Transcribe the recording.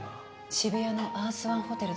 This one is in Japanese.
渋谷のアースワンホテルです。